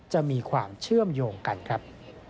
จะมีความเชื่อมโยงกันครับ